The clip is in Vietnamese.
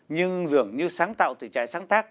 nhưng dường như sáng tạo từ trại sáng tác